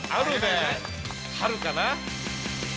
春かな。